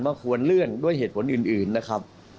ควรเลื่อนด้วยเหตุผลอื่นนะครับ